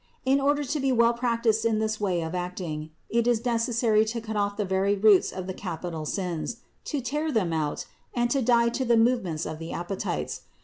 In order to be well practiced in this way of acting it is necessary to cut off the very roots of the capital sins, to tear them out, and to die to the movements of the appetites.